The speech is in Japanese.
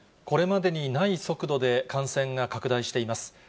これまでにない速度で感染が拡大しています。